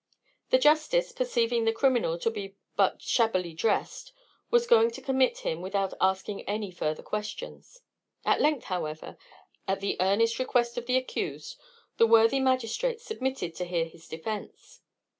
The justice, perceiving the criminal to be but shabbily drest, was going to commit him without asking any further questions. At length, however, at the earnest request of the accused, the worthy magistrate submitted to hear his defence.